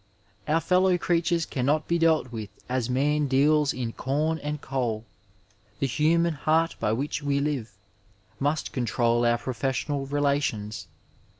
Our fellow creatures cannot be dealt with as man deals in com and coal ;" the human heart by which we live" must control our professional relations.